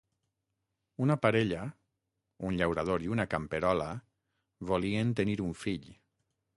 Una parella, un llaurador i una camperola, volien tenir un fill.